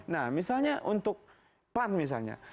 nah misalnya untuk pan misalnya